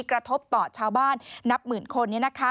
กระทบต่อชาวบ้านนับหมื่นคน